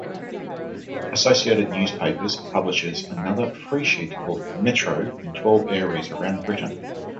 Associated Newspapers publishes another freesheet called "Metro" in twelve areas around Britain.